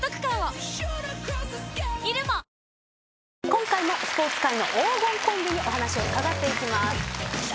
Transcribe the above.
今回もスポーツ界の黄金コンビにお話を伺っていきます。